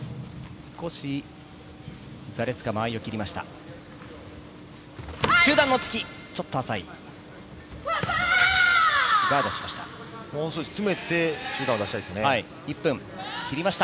少しザレツカ、間合いを切りました。